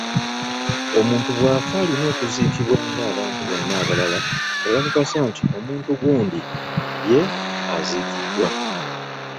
Omuntu bw'afa alina kuziikibwa ng'abantu bonna balaba ne bakakasa nti omuntu gundi ye aziikiddwa.